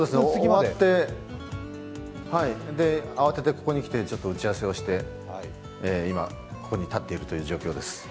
終わって、慌ててここに来て打ち合わせをして今、ここに立っているという状況です。